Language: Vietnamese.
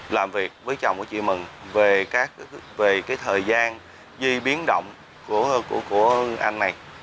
làm việc với chồng của chị mừng về cái thời gian di biến động của anh này